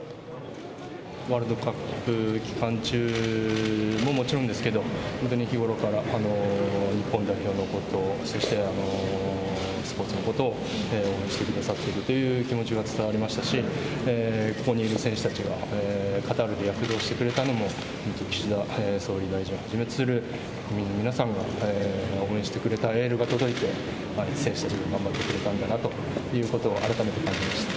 ワールドカップ期間中ももちろんですけど、本当に日頃から日本代表のことを、そして、スポーツのことを応援してくださっているという気持ちが伝わりましたし、ここにいる選手たちがカタールで躍動してくれたのも、岸田総理大臣をはじめとする国民の皆さんが応援してくれたエールが届いて、選手たちも頑張ってくれたんだなということを、改めて感じました。